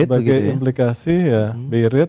sebagai implikasi ya di irid